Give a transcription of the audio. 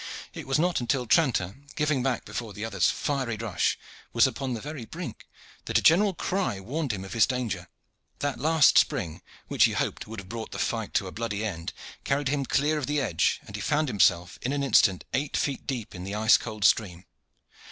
It was not until Tranter, giving back before the other's fiery rush, was upon the very brink, that a general cry warned him of his danger. That last spring, which he hoped would have brought the fight to a bloody end, carried him clear of the edge, and he found himself in an instant eight feet deep in the ice cold stream.